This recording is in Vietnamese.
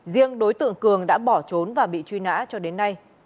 riêng đối tượng cường đã bỏ trốn và bị truy nã cho đến nay